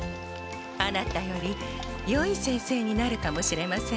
アナタよりよい先生になるかもしれませんね。